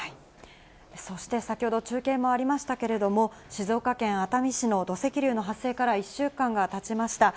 そして先ほど、中継もありましたけれども、静岡県熱海市の土石流の発生から１週間がたちました。